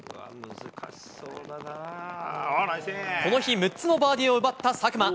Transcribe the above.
この日、６つのバーディーを奪った佐久間。